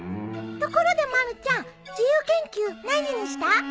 ところでまるちゃん自由研究何にした？